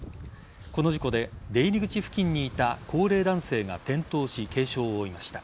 この事故で出入り口付近にいた高齢男性が転倒し軽傷を負いました。